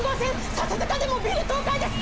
笹塚でもビル倒壊です。